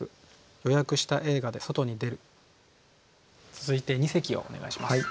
続いて二席をお願いします。